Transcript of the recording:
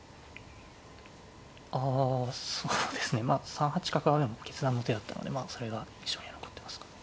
３八角はでも決断の手だったのでそれが印象に残ってますかね。